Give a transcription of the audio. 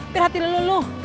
perhatikan lo lo